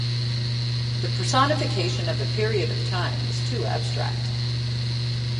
The personification of a period of time is too abstract.